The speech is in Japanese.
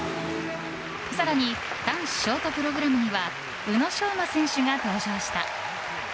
更に男子ショートプログラムには宇野昌磨選手が登場した。